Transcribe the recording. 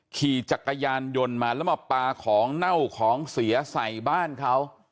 ขี่จักรยานยนต์มาแล้วมาปลาของเน่าของเสียใส่บ้านเขา